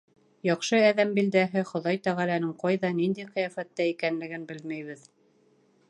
Яҡшы әҙәм билдәһе — Хоҙай Тәғәләнең ҡайҙа, ниндәй ҡиәфәттә икәнлеген белмәйбеҙ.